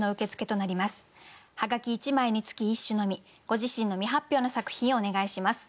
ご自身の未発表の作品をお願いします。